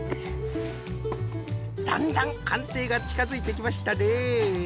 だんだんかんせいがちかづいてきましたね。